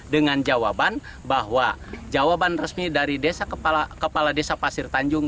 dengan jawaban bahwa jawaban resmi dari desa kepala desa pasir tanjung